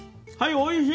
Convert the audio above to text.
おいしい。